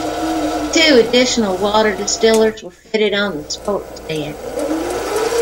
Two additional water distillers were fitted on the sports deck.